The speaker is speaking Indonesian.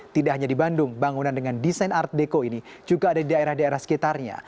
tidak hanya di bandung bangunan dengan desain art deco ini juga ada di daerah daerah sekitarnya